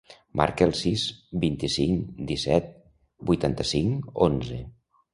Marca el sis, vint-i-cinc, disset, vuitanta-cinc, onze.